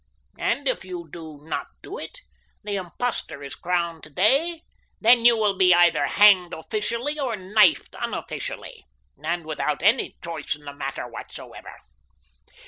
And if you do not do it, and the impostor is crowned today, then you will be either hanged officially or knifed unofficially, and without any choice in the matter whatsoever.